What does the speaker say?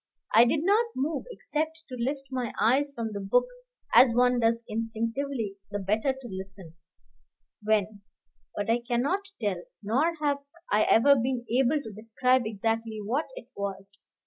I did not move except to lift my eyes from the book as one does instinctively the better to listen; when But I cannot tell, nor have I ever been able to describe exactly what it was.